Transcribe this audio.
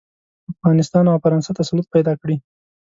افغانستان او فرانسه تسلط پیدا کړي.